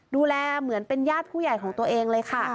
ดูแลเหมือนเป็นญาติผู้ใหญ่ของตัวเองเลยค่ะ